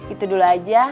itu dulu aja